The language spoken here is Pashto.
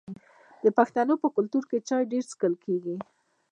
د پښتنو په کلتور کې چای ډیر څښل کیږي.